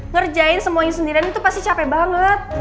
ngerjain semuanya sendirian itu pasti capek banget